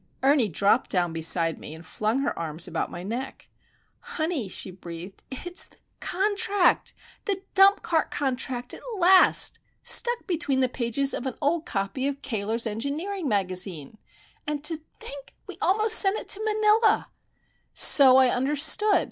Ernie dropped down beside me, and flung her arms about my neck. "Honey," she breathed,—"it's the contract,—the Dump Cart Contract, at last! Stuck between the pages of an old copy of Cayler's Engineering Magazine! And to think, we almost sent it to Manila!" So! I understood.